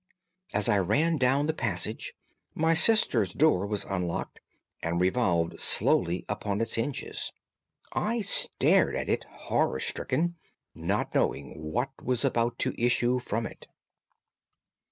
As I ran down the passage, my sister's door was unlocked, and revolved slowly upon its hinges. I stared at it horror stricken, not knowing what was about to issue from it.